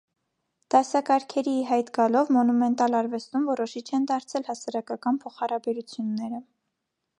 Դասակարգերի ի հայտ գալով՝ մոնումենտալ արվեստում որոշիչ են դարձել հասարակական փոխհարաբերությունները։